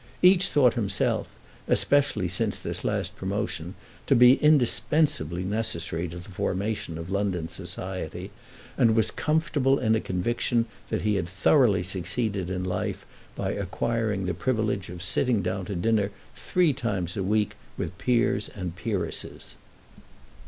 Each thought himself, especially since this last promotion, to be indispensably necessary to the formation of London society, and was comfortable in a conviction that he had thoroughly succeeded in life by acquiring the privilege of sitting down to dinner three times a week with peers and peeresses.